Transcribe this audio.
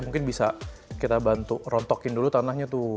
mungkin bisa kita bantu rontokin dulu tanahnya tuh